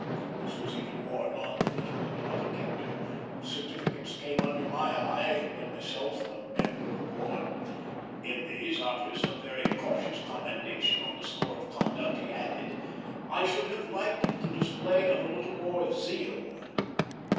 This was even more non committal than another captain, whose certificates came under my eye when myself a member of a board. In these, after some very cautious commendation on the score of conduct, he added, "I should have liked the display of a little more zeal."